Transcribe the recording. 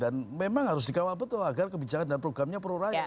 dan memang harus dikawal betul agar kebijakan dan programnya pruraya